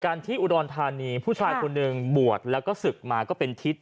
ที่อุดรธานีผู้ชายคนหนึ่งบวชแล้วก็ศึกมาก็เป็นทิศ